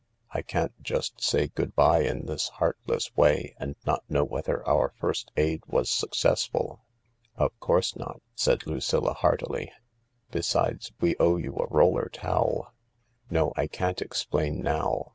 I can't just say good bye in this heartless way, and not know whether our first aid was successful." " Of course not," said Lucilla heartily ;" besides, we owe you a roller towel. No, I can't explain now.